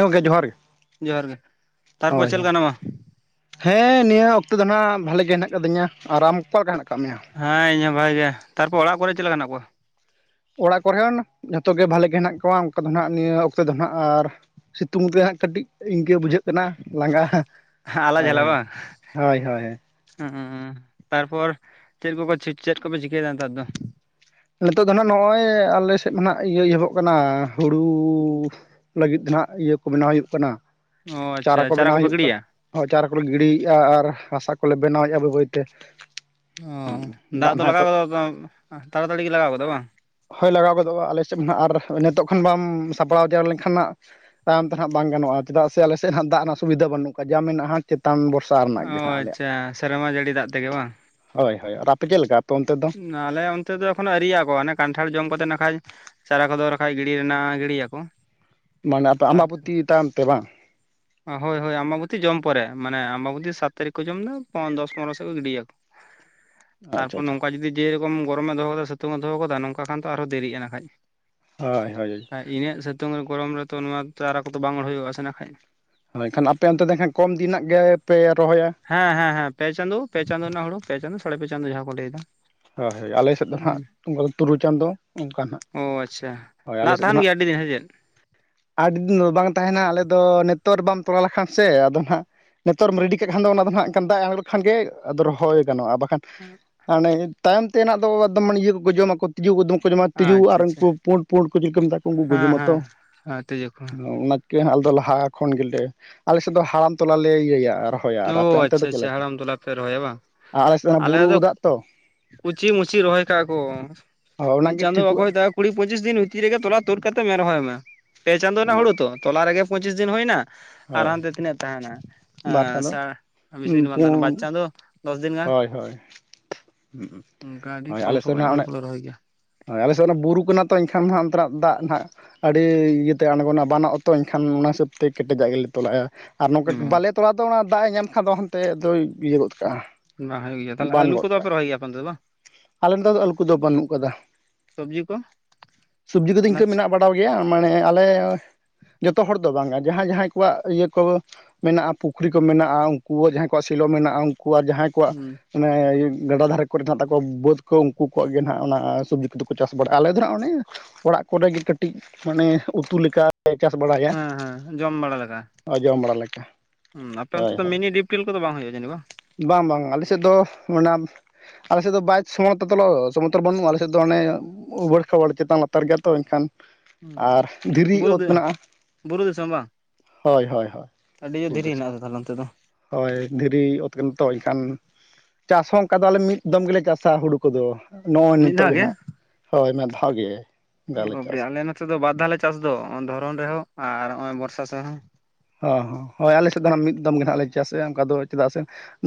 ᱜᱚᱝᱠᱮ ᱡᱚᱦᱟᱨ ᱜᱮ ᱡᱚᱦᱟᱨ ᱜᱮ, ᱛᱟᱨᱯᱚᱨ ᱦᱳᱭ ᱪᱮᱫ ᱦᱳᱭ ᱞᱮᱠᱟ ᱦᱮᱱᱟᱢᱟ? ᱦᱮᱸ ᱱᱤᱭᱟᱹ ᱚᱠᱛᱚ ᱫᱚ ᱱᱟᱜ ᱵᱷᱟᱞᱮ ᱜᱮ ᱦᱮᱱᱟᱜ ᱟᱠᱟᱫᱤᱧᱟ ᱟᱨ ᱟᱢ ᱚᱠᱟ ᱞᱮᱠᱟ ᱦᱮᱱᱟᱜ ᱠᱟᱫ ᱢᱮᱭᱟ? ᱦᱮᱸ ᱤᱧ ᱦᱚᱸ ᱵᱷᱟᱜᱮ ᱜᱮ, ᱛᱟᱨᱯᱚᱨ ᱚᱲᱟᱜ ᱠᱚᱨᱮ ᱪᱮᱫ ᱞᱮᱠᱟ ᱦᱮᱱᱟᱜ ᱠᱚᱣᱟ? ᱚᱲᱟᱜ ᱠᱚᱨᱮᱱ ᱡᱷᱚᱛᱚ ᱜᱮ ᱵᱷᱟᱞᱮ ᱜᱮ ᱦᱮᱱᱟᱜ ᱠᱚᱣᱟ ᱚᱱᱠᱟ ᱫᱚ ᱱᱟᱜ ᱱᱤᱭᱟᱹ ᱚᱠᱛᱚ ᱫᱚ ᱱᱟᱜ ᱟᱨ ᱥᱤᱛᱩᱝ ᱛᱮ ᱦᱟᱸᱜ ᱠᱟᱹᱴᱤᱡ ᱤᱱᱠᱟᱹ ᱵᱩᱡᱷᱟᱹᱜ ᱠᱟᱱᱟ ᱞᱟᱸᱜᱟ ᱦᱳᱭ, ᱦᱳᱭ ᱦᱳᱭ ᱦᱳᱭ᱾ ᱦᱩᱸᱻ ᱛᱟᱨᱯᱚᱨ ᱪᱮᱫ ᱠᱚ ᱠᱚ, ᱪᱮᱫ ᱠᱚᱯᱮ ᱪᱤᱠᱟᱹᱭᱫᱟ ᱱᱮᱛᱟᱨ ᱫᱚ? ᱱᱤᱛᱚᱜ ᱫᱚ ᱱᱟᱜ ᱱᱚᱜ-ᱚᱭ ᱟᱞᱮ ᱥᱮᱫ ᱢᱟ ᱱᱟᱜ ᱤᱭᱟᱹ ᱮᱦᱚᱵᱚᱜ ᱠᱟᱱᱟ ᱦᱩᱲᱩ ᱞᱟᱹᱜᱤᱫ ᱫᱷᱚᱱᱟᱜ ᱤᱭᱟᱹ ᱠᱚ ᱵᱮᱱᱟᱣ ᱦᱩᱭᱩᱜ ᱠᱟᱱᱟ, ᱚ ᱟᱪᱪᱷᱟ ᱪᱟᱨᱟ ᱠᱚ ᱵᱮᱱᱟᱣ ᱠᱚᱯᱮ ᱦᱩᱭᱩᱜ ᱠᱟᱱ ᱜᱤᱰᱤᱭᱟ? ᱪᱟᱨᱟ ᱠᱚᱞᱮ ᱜᱤᱰᱤᱭᱮᱜ-ᱟ, ᱟᱨ ᱦᱟᱥᱟ ᱠᱚᱞᱮ ᱵᱮᱱᱟᱣᱮᱜ-ᱟ ᱵᱟᱹᱭ ᱵᱟᱹᱭᱛᱮ ᱾ ᱚᱻ ᱫᱟᱜ ᱫᱚ ᱞᱟᱜᱟᱣ ᱜᱚᱫᱚᱜ ᱥᱮ ᱵᱟᱜ ᱛᱟᱲᱟᱛᱟᱲᱤ ᱜᱮ ᱞᱟᱜᱟᱣ ᱜᱚᱫᱚᱜ ᱵᱟᱝ ᱾ ᱦᱚᱭ ᱞᱟᱜᱟᱣ ᱜᱚᱫᱚᱜ-ᱟ ᱟᱞᱮ ᱥᱮᱫ ᱱᱟᱜ ᱟᱨ ᱱᱮᱛᱚᱜ ᱠᱷᱚᱱ ᱵᱟᱢ ᱥᱟᱯᱲᱟᱣ ᱡᱟᱣᱟᱨ ᱞᱮᱱᱠᱷᱟᱱ ᱦᱟᱸᱜ ᱾ ᱛᱟᱭᱚᱢ ᱛᱮᱦᱟᱸᱜ ᱵᱟᱝ ᱜᱟᱱᱚᱜ-ᱟ, ᱪᱮᱫᱟᱜ ᱥᱮ ᱟᱞᱮ ᱥᱮᱫ ᱦᱟᱸᱜ ᱫᱟᱜ ᱨᱮᱱᱟᱜ ᱥᱩᱵᱤᱫᱷᱟ ᱵᱟᱹᱱᱩᱜᱼᱠᱟ, ᱡᱟ ᱢᱮᱱᱟᱜ-ᱟ ᱦᱟᱸᱜ ᱪᱮᱛᱟᱱ ᱵᱚᱨᱥᱼᱼ ᱚ ᱟᱪᱪᱷᱟ, ᱥᱮᱨᱢᱟ ᱡᱟᱹᱲᱤ ᱫᱟᱜ ᱛᱮᱜᱮ ᱵᱟᱝ ᱾ ᱦᱚᱭ ᱦᱚᱭ ᱚᱱᱟ ᱟᱯᱮ ᱪᱮᱫ ᱞᱮᱠᱟ ᱟᱯᱮ ᱚᱱᱛᱮ ᱫᱚ? ᱟᱞᱮ ᱚᱱᱛᱮ ᱫᱚ ᱮᱠᱷᱚᱱᱳ ᱟ. ᱭᱨᱤᱭᱟᱜ ᱟᱠᱚ, ᱚᱱᱮ ᱠᱟᱱᱴᱷᱟᱲ ᱡᱚᱢ ᱠᱟᱛᱮ ᱱᱟᱜ ᱠᱷᱟᱡ ᱾ ᱪᱟᱨᱟ ᱠᱚᱫᱚ ᱨᱟᱠᱷᱟᱡ ᱜᱤᱲᱤ ᱨᱮᱱᱟᱜ ᱜᱤᱲᱤᱭᱟᱠᱚ ᱾ ᱢᱟᱱᱮ ᱟᱯᱮ ᱟᱢᱵᱟᱵᱩᱛᱤ ᱛᱟᱭᱚᱢ ᱛᱮ ᱵᱟᱝ? ᱦᱳᱭ ᱦᱳᱭ ᱟᱢᱵᱟᱵᱩᱛᱤ ᱡᱚᱢ ᱯᱚᱨᱮ, ᱢᱟᱱᱮ ᱟᱢᱵᱟᱵᱩᱛᱤ ᱥᱟᱛ ᱛᱟᱹᱨᱤᱠ ᱠᱚ ᱡᱚᱢ ᱫᱟ ᱯᱚᱸ ᱫᱚᱥ ᱯᱚᱱᱨᱚ ᱥᱮᱫ ᱠᱚ ᱜᱤᱰᱤᱭᱟ ᱾ [unintelligible] ᱟᱪᱪᱷᱟ ᱛᱟᱨᱯᱚᱨ ᱟᱪᱪᱷᱟ ᱱᱚᱝᱠᱟ ᱡᱩᱫᱤ ᱡᱮᱨᱚᱠᱚᱢ ᱜᱚᱨᱚᱢᱮ ᱫᱚᱦᱚ ᱠᱟᱫᱟ ᱥᱤᱛᱩᱝ ᱮ ᱫᱚᱦᱚ ᱠᱟᱫᱟ ᱱᱚᱝᱠᱟ ᱠᱷᱟᱱ ᱛᱚ ᱟᱨᱦᱚᱸ ᱫᱮᱨᱤᱜ-ᱟ ᱱᱟᱦᱟᱡ ᱾ ᱦᱚᱭ ᱦᱚᱭ ᱾ ᱟᱨ ᱤᱱᱟᱹᱜ ᱥᱤᱛᱩᱝ ᱟᱨ ᱜᱚᱨᱚᱢ ᱨᱮᱛᱚ ᱱᱚᱣᱟ ᱛᱚ ᱪᱟᱨᱟ ᱠᱚᱛᱚ ᱵᱟᱝ ᱚᱲ ᱦᱩᱭᱩᱜ-ᱟ ᱥᱮ ᱱᱟᱜ ᱠᱷᱟᱡ ᱾ ᱦᱚᱭ ᱮᱱᱠᱷᱟᱱ ᱟᱯᱮ ᱚᱱᱛᱮ ᱫᱚ ᱦᱟᱸᱜ ᱠᱚᱢ ᱫᱤᱱᱟᱜ ᱜᱮᱯᱮ ᱨᱚᱦᱚᱭᱟ? ᱦᱮᱸ ᱦᱮᱸ ᱦᱮᱸ ᱯᱮ ᱪᱟᱸᱫᱳ, ᱯᱮ ᱪᱟᱸᱫᱳ ᱱᱟᱜ ᱦᱩᱲᱩ ᱯᱮ ᱪᱟᱸᱫᱳ ᱥᱟᱲᱮ ᱯᱮ ᱪᱟᱸᱫᱳ ᱡᱟᱦᱟ ᱠᱚ ᱞᱟᱹᱭ ᱫᱟ ᱾ ᱦᱚᱭ ᱦᱚᱭ, ᱟᱞᱮ ᱥᱮᱫ ᱫᱚ ᱦᱟᱸᱜ ᱚᱱᱠᱟ ᱫᱚ ᱛᱩᱨᱩᱭ ᱪᱟᱸᱫᱚ ᱚᱱᱠᱟ ᱦᱟᱸᱜ ᱾ ᱚ ᱟᱪᱪᱷᱟ ᱾ ᱱᱟᱜ ᱛᱟᱸᱦᱮᱱ ᱜᱮᱭᱟ ᱟᱹᱰᱤ ᱫᱤᱱ ᱥᱮ ᱪᱮᱫ? ᱟᱹᱰᱤ ᱫᱤᱱ ᱫᱚ ᱵᱟᱝ ᱛᱟᱸᱦᱮᱱᱟ ᱟᱞᱮ ᱫᱚ ᱱᱮᱛᱚᱜ ᱨᱮ ᱵᱟᱢ ᱛᱚᱞᱟ ᱞᱮᱠᱷᱟᱱ ᱥᱮ ᱟᱫᱚ ᱱᱟᱜᱼᱼ ᱱᱮᱛᱟᱨ ᱨᱮᱢ ᱨᱮᱰᱤ ᱠᱟᱜ ᱠᱷᱟᱱ ᱫᱚ ᱚᱱᱟ ᱫᱚ ᱦᱟᱸᱜ ᱠᱷᱟᱱ ᱫᱟᱜ ᱟᱸᱬᱜᱚ ᱞᱮᱠᱷᱟᱱ ᱜᱮ ᱟᱫᱚ ᱨᱚᱦᱚᱭ ᱜᱟᱱᱚᱜᱼᱟ, ᱵᱟᱠᱷᱟᱱᱼᱼ ᱦᱮᱸ ᱾ ᱦᱟᱱᱮ ᱛᱟᱭᱚᱢ ᱛᱮᱱᱟᱜ ᱫᱚ ᱮᱠᱫᱚᱢ ᱤᱭᱟᱹ ᱠᱚᱠᱚ ᱡᱚᱢᱟᱠᱚ ᱾ ᱛᱤᱡᱩ ᱠᱚ ᱫᱚᱢᱮ ᱠᱚ ᱡᱚᱢᱟ ᱟᱪᱪᱷᱟ ᱛᱤᱡᱩ ᱟᱨ ᱟᱪᱪᱷᱟ ᱩᱱᱠᱩ ᱯᱩᱸᱲ ᱯᱩᱸᱲ ᱠᱚ ᱪᱤᱞᱤ ᱠᱚ ᱢᱮᱛᱟ ᱠᱚ ᱩᱝᱠᱩ ᱠᱚ ᱦᱮᱸ ᱦᱮᱸ ᱡᱚᱢᱟᱛᱚ ᱾ ᱦᱮᱸ ᱛᱤᱡᱩ ᱠᱚᱼᱼ ᱠᱮ ᱟᱞᱮ ᱫᱚ ᱞᱟᱦᱟ ᱠᱷᱚᱱ ᱜᱮᱞᱮ ᱟᱞᱮ ᱥᱮᱫ ᱫᱚ ᱦᱟᱲᱟᱢ ᱛᱚᱞᱟ ᱞᱮ ᱤᱭᱟᱹᱭᱟ ᱨᱚᱼᱼ ᱦᱚᱭᱟ, ᱟᱨ ᱚ ᱟᱯᱮ ᱚᱱᱛᱮ ᱟᱪᱪᱷᱟ ᱫᱚ ᱪᱮᱫ ᱟᱪᱪᱷᱟ ᱞᱮᱠᱟ? ᱦᱟᱲᱟᱢ ᱛᱚᱞᱟ ᱯᱮ ᱨᱚᱦᱚᱭᱟ ᱵᱟᱝ ᱟᱨ ᱟᱞᱮ ᱥᱮᱫ ᱦᱚᱸ ᱵᱩᱨᱩ ᱫᱟᱜ ᱛᱚ ᱾ ᱠᱩᱪᱤ ᱢᱩᱪᱤ ᱨᱚᱦᱚᱭ ᱠᱟᱜᱼᱟ ᱠᱚ, ᱦᱳᱭ ᱢᱤᱫ ᱚᱱᱟᱜᱮ ᱪᱟᱸᱫᱚ ᱵᱟᱠᱚ ᱦᱩᱭ ᱴᱷᱤᱠᱚᱜᱼᱟ ᱛᱟᱠᱼᱼ ᱠᱩᱲᱤ ᱯᱚᱸᱪᱤᱥ ᱫᱤᱱ ᱵᱷᱤᱛᱤᱨ ᱨᱮᱜᱮ ᱛᱚᱞᱟ ᱛᱩᱫ ᱠᱟᱛᱮᱫ ᱨᱚᱦᱚᱭ ᱢᱮ, ᱯᱮ ᱪᱟᱸᱫᱳ ᱨᱮᱱᱟᱜ ᱦᱳᱲᱩ ᱛᱟ ᱛᱚᱞᱟ ᱨᱮᱜᱮ ᱯᱚᱸᱪᱤᱥ ᱫᱤᱱ ᱦᱩᱭᱮᱱᱟ ᱾ ᱟᱨ ᱦᱳᱭ ᱦᱟᱱᱛᱮ ᱛᱤᱱᱟᱹᱜ ᱛᱟᱦᱮᱱᱟ, ᱵᱟᱨ ᱮᱸ ᱪᱟᱸᱫᱚ ᱥᱟ ᱵᱤᱥᱤ ᱫᱤᱱ ᱵᱟᱝ ᱯᱩᱱ ᱛᱟᱦᱮᱱᱟ ᱵᱟᱨ ᱪᱟᱸᱫᱚᱼᱼ ᱫᱚᱥ ᱫᱤᱱ ᱜᱟᱱ, ᱦᱳᱭ ᱦᱳᱭ ᱚᱱᱠᱟ ᱜᱮ ᱦᱳᱭ ᱠᱚᱢ ᱟᱞᱮ ᱥᱮᱫ ᱥᱚᱢᱚᱭ ᱦᱟᱸᱜ ᱨᱮᱱᱟᱜ ᱚᱱᱮ ᱦᱩᱲᱩ ᱠᱚᱫᱚ ᱨᱚᱦᱚᱭ ᱜᱮᱭᱟ ᱾ ᱦᱳᱭ ᱟᱞᱮ ᱥᱮᱫ ᱫᱚ ᱵᱩᱨᱩ ᱠᱟᱱᱟ ᱛᱚ, ᱮᱱᱠᱷᱟᱱ ᱦᱟᱸᱜ ᱚᱱᱛᱮᱱᱟᱜ ᱫᱟᱜ ᱱᱟᱸᱜᱼᱼ ᱟᱹᱰᱤ ᱤᱭᱟᱹᱛᱮ ᱟᱸᱬᱜᱚᱱᱟ ᱵᱟᱱᱚᱜᱼᱟ ᱛᱚ, ᱮᱱᱠᱷᱟᱱ ᱚᱱᱟ ᱦᱤᱥᱟᱹᱵᱽ ᱛᱮ ᱠᱮᱴᱮᱡᱟᱜ ᱜᱮᱞᱮ ᱛᱚᱞᱟᱭᱟ ᱾ ᱟᱨ ᱱᱚᱝᱠᱟ ᱦᱩᱸ ᱵᱟᱞᱮ ᱛᱚᱲᱟ ᱫᱚ ᱚᱱᱟ ᱫᱟᱜ ᱮ ᱧᱟᱢ ᱠᱷᱟᱱ ᱫᱚ ᱚᱦᱚᱢ ᱛᱮᱜᱮᱭ ᱫᱚᱭ ᱤᱭᱟᱹ ᱜᱚᱫ ᱠᱟᱜᱼᱟ ᱾ ᱵᱟᱝ ᱦᱩᱭᱩᱜ ᱜᱮᱭᱟ, ᱛᱟᱞᱦᱮ ᱟᱞᱩ ᱠᱚᱫᱚ ᱵᱟᱯᱮ ᱨᱚᱦᱚᱭ ᱜᱮᱭᱟ ᱟᱯᱮ ᱚᱱᱛᱮ ᱫᱚ? ᱟᱞᱮ ᱱᱚᱛᱟ ᱫᱚ ᱟᱞᱩ ᱠᱚᱫᱚ ᱵᱟᱹᱱᱩᱜ ᱠᱟᱫᱟ, ᱥᱚᱵᱽᱡᱤ ᱠᱚ ᱥᱚᱵᱽᱡᱤ ᱠᱚᱫᱚ ᱤᱱᱠᱟᱹ ᱟᱱᱟᱡᱽ ᱢᱮᱱᱟᱜᱼᱟ ᱾ ᱵᱟᱲᱟᱣ ᱜᱮᱭᱟ ᱢᱟᱱᱮ ᱟᱞᱮ, ᱡᱚᱛᱚ ᱦᱚᱲ ᱫᱚ ᱵᱟᱝᱟ ᱡᱟᱦᱟᱸᱭ ᱡᱟᱦᱟᱸᱭ ᱠᱚᱣᱟᱜ ᱤᱭᱟᱹ ᱠᱚᱼᱼ ᱢᱮᱱᱟᱜᱼᱟ ᱯᱩᱠᱷᱨᱤ ᱠᱚ ᱢᱮᱱᱟᱜᱼᱟ, ᱩᱝᱠᱩ ᱡᱟᱦᱟᱸᱭ ᱠᱚᱣᱟᱜ ᱥᱮᱞᱚ ᱢᱮᱱᱟᱜᱼᱟ ᱩᱝᱠᱩ ᱟᱨ ᱡᱟᱦᱟᱸᱭᱼᱼ ᱠᱚᱣᱟᱜ, ᱦᱩᱸ ᱢᱟᱱᱮ ᱤᱭᱟᱹ ᱜᱟᱰᱟ ᱫᱷᱟᱨᱮᱼᱼ ᱠᱚᱨᱮ ᱫᱚ ᱦᱟᱜ ᱫᱟᱜᱚᱜ ᱵᱟᱹᱫᱽ ᱠᱚ ᱩᱱᱠᱩ ᱠᱚᱣᱟᱜ ᱤᱭᱟᱹ ᱱᱟᱜ ᱚᱱᱟ ᱥᱚᱵᱽᱡᱤ ᱠᱚᱫᱚ ᱠᱚ ᱪᱟᱥ ᱵᱟᱲᱟᱜᱼᱟ, ᱟᱞᱮ ᱫᱚ ᱱᱟᱜ ᱚᱱᱮᱼᱼ ᱚᱲᱟᱜ ᱠᱚᱨᱮᱜᱮ ᱠᱟᱹᱴᱤᱡ, ᱢᱟᱱᱮ ᱩᱛᱩ ᱞᱮᱠᱟᱼᱼ ᱞᱮ ᱪᱟᱥ ᱵᱟᱲᱟᱭᱟ, ᱦᱮᱸ ᱦᱮᱸ ᱚ ᱡᱚᱢ ᱵᱟᱲᱟ ᱞᱮᱠᱟ ᱾ ᱩᱸ ᱟᱯᱮ ᱚᱱᱛᱮ ᱫᱚ ᱢᱤᱱᱤ ᱰᱤᱯᱴᱤᱞ ᱠᱚᱫᱚ ᱵᱟᱝ ᱦᱩᱭᱩᱜᱼᱟ ᱡᱟᱹᱱᱤ ᱵᱟᱜ? ᱵᱟᱝ ᱵᱟᱝ ᱟᱞᱮ ᱥᱮᱫ ᱫᱚ ᱚᱱᱟᱼᱼ ᱟᱞᱮ ᱥᱮᱫ ᱫᱚ ᱵᱟᱭ ᱥᱚᱢᱛᱚ ᱛᱚᱞᱚ ᱥᱚᱢᱚᱛᱚᱞ ᱵᱟᱹᱱᱩᱜᱼᱟ, ᱟᱞᱮ ᱥᱮᱫ ᱫᱚ ᱟᱱᱮ ᱩᱵᱟᱹᱲ ᱠᱷᱟᱵᱚᱲ ᱪᱮᱛᱟᱱ ᱞᱟᱛᱟᱨ ᱜᱮᱭᱟ ᱛᱚ ᱮᱱᱠᱷᱟᱱᱼᱼ ᱟᱨ ᱫᱷᱤᱨᱤ ᱵᱩᱨᱩ ᱚᱛ ᱫᱤ ᱢᱮᱱᱟᱜᱼᱟ ᱵᱩᱨᱩ ᱫᱤᱥᱚᱢ ᱵᱟᱝ ᱦᱳᱭ ᱦᱳᱭ ᱦᱳᱭ ᱟᱹᱰᱤ ᱡᱳᱨ ᱫᱷᱤᱨᱤ ᱦᱮᱱᱟᱜ ᱟᱛᱚ ᱛᱟᱦᱚᱞᱮ ᱚᱱᱛᱮ ᱫᱚ ᱫᱷᱤᱨᱤᱛᱚ ᱜᱮᱢ ᱛᱚᱜᱚᱡ ᱠᱷᱟᱱ ᱪᱟᱥ ᱦᱚᱸ ᱚᱝᱠᱟ ᱫᱚ ᱟᱞᱮ ᱢᱤᱫ ᱫᱚᱢ ᱜᱮᱞᱮ ᱪᱟᱥᱟ ᱦᱩᱲᱩ ᱠᱚᱫᱚ ᱱᱚᱜᱼᱚᱭ ᱢᱤᱫ ᱱᱤᱛᱚᱜ ᱫᱷᱟᱣ ᱜᱮ ᱱᱟᱸᱜ ᱦᱳᱭ ᱢᱮ ᱫᱷᱟᱣ ᱜᱮ ᱚᱱᱠᱟ ᱞᱮ ᱪᱟᱥᱟ ᱟᱞᱮ ᱱᱚᱛᱮ ᱫᱚ ᱵᱟᱨᱫᱷᱟᱣ ᱞᱮ ᱪᱟᱥ ᱫᱚ ᱚᱸ ᱫᱷᱚᱨᱚᱱ ᱨᱮᱦᱚᱸ ᱟᱨ ᱦᱚᱜᱼᱚᱭ ᱵᱚᱨᱥᱟ ᱥᱟ ᱦᱚᱸ ᱦᱚᱸ ᱦᱚᱸ ᱦᱳᱭ ᱟᱞᱮ ᱥᱮᱫ ᱫᱚ ᱚᱱᱟ ᱢᱤᱫ ᱫᱚᱢ ᱜᱮ ᱱᱟᱸᱜ ᱞᱮ ᱪᱟᱥᱮᱫᱼᱟ ᱚᱱᱠᱟ ᱫᱚ ᱪᱮᱫᱟᱜ ᱥᱮᱼᱼ